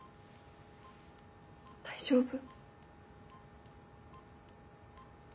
大丈夫？